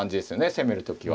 攻める時は。